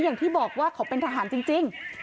อย่างที่บอกว่าเขาเป็นทหารจริง